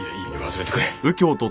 忘れてくれ。